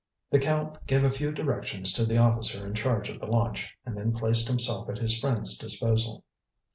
The Count gave a few directions to the officer in charge of the launch and then placed himself at his friend's disposal.